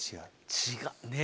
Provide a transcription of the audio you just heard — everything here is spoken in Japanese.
違うねっ！